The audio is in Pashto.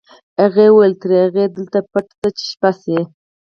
هغې وویل تر هغې دلته پټ شه چې شپه شي